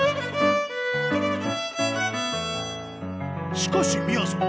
しかしみやぞん